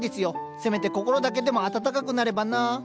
せめて心だけでも温かくなればな